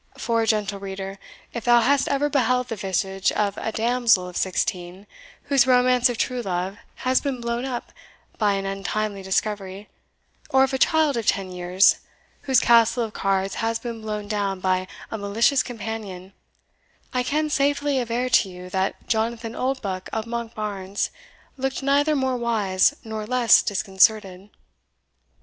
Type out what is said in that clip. For, gentle reader, if thou hast ever beheld the visage of a damsel of sixteen, whose romance of true love has been blown up by an untimely discovery, or of a child of ten years, whose castle of cards has been blown down by a malicious companion, I can safely aver to you, that Jonathan Oldbuck of Monkbarns looked neither more wise nor less disconcerted.